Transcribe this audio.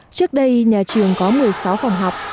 trước đây nhà trường có một mươi sáu phòng học